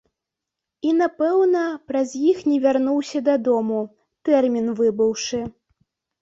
І, напэўна, праз іх не вярнуўся дадому, тэрмін выбыўшы.